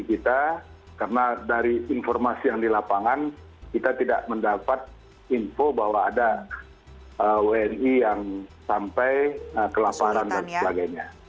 karena dari informasi yang di lapangan kita tidak mendapat info bahwa ada wni yang sampai ke laparan dan sebagainya